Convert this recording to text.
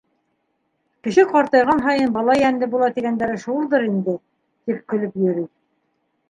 — Кеше ҡартайған һайын бала йәнле була тигәндәре шулдыр инде, — тип көлөп йөрөй.